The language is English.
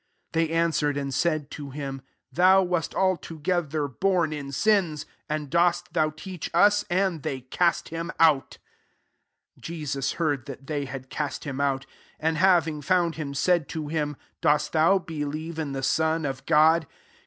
'' 35 They answered, and said to him, " Thou wast altogether bom in sins, and dost thou teach us ?" And they cast him out. 34 Jesus heard that they had cast him out : and having found him, said to him, " Dost thou believe in the Sonof God